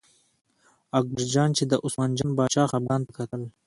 اکبرجان چې د عثمان جان باچا خپګان ته کتل.